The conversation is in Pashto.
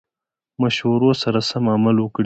مشورو سره سم عمل وکړي.